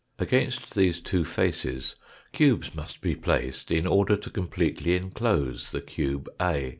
Against these two faces cubes must be placed in order to completely enclose the cube A.